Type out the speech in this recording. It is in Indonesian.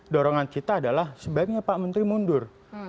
dorongan kita adalah sebaiknya pak menteri mundur